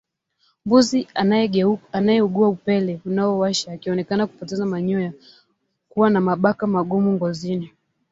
Mbuzi anayeugua upele unaowasha akionekana kupoteza manyoya kuwa na mabaka magumu ngozini